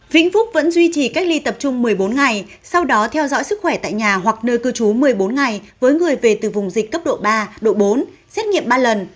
vĩnh phúc vẫn duy trì cách ly tập trung một mươi bốn ngày sau đó theo dõi sức khỏe tại nhà hoặc nơi cư trú một mươi bốn ngày với người về từ vùng dịch cấp độ ba độ bốn xét nghiệm ba lần